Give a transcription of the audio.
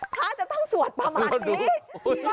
พระเจ้าต้องสวรรพ์ประมาณนี้